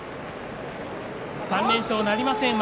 ３連勝なりませんでした